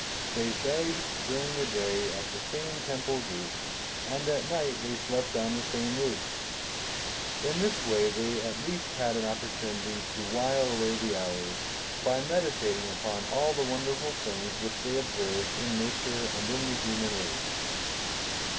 They begged during the day at the same temple gate, and at night they slept on the same roof. In this way they at least had an opportunity to while away the hours, by meditating upon all the wonderful things which they observed in Nature and in the human race.